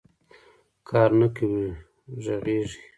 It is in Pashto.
کار نه کوې غږېږې